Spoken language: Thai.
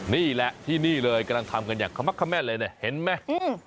นี่แหละที่นี่เลยกำลังทำกันอย่างขมักขแม่นเลยเนี่ยเห็นไหม